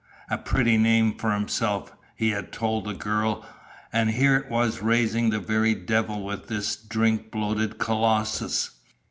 _ A pretty name for himself, he had told the girl and here it was raising the very devil with this drink bloated colossus.